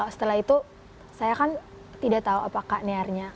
setelah itu saya kan tidak tahu apa kak niernya